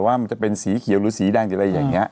ว่ามันจะเป็นสีเขียวหรือสีแดงอย่างนี้